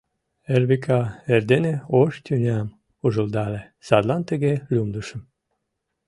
Эрвика — эрдене ош тӱням ужылдале, садлан тыге лӱмдышым...